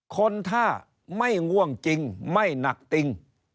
คนถ้าไม่ง่วงจริงไม่หนักติ่ง